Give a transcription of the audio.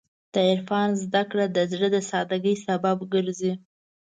د عرفان زدهکړه د زړه د سادګۍ سبب ګرځي.